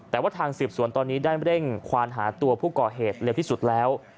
แต่ว่าทางสืบสวนตอนนี้ได้เร่งควานหาตัวผู้ก่อเหตุเร็วที่สุดแล้ว